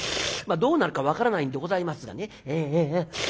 どうなるか分からないんでございますがね」。